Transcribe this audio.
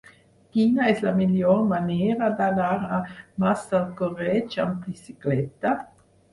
Quina és la millor manera d'anar a Massalcoreig amb bicicleta?